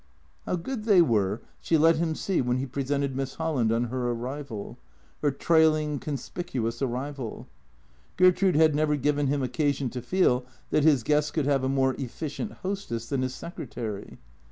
How good they were she let him see when he presented Miss Holland on her arrival, her trailing, conspicuous arrival. Ger trude had never given him occasion to feel that his guests could have a more efficient hostess than his secretary.